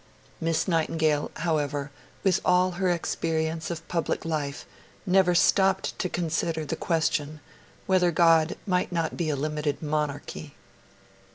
Miss Nightingale, however, with all her experience of public life, never stopped to consider the question whether God might not be a Limited Monarchy.